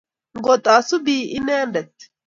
Ngot asubi lnendet